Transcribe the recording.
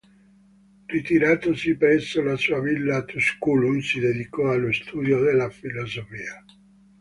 Ritiratosi presso la sua villa a Tusculum si dedicò allo studio della filosofia.